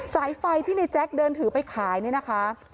สายไฟที่ในแจ๊คเดินถือไปขายเนี่ยนะคะ